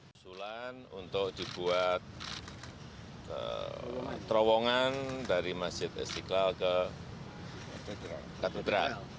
usulan untuk dibuat terowongan dari masjid istiqlal ke katedral